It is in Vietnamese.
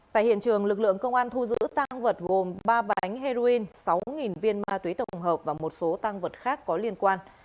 tại hiện trường lực lượng công an thu giữ tăng vật gồm ba bánh heroin sáu viên ma túy tổng hợp và một số tăng vật khác có liên quan